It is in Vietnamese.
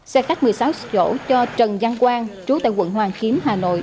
xe khách một mươi sáu chỗ cho trần giang quang chú tại quận hoàng kiếm hà nội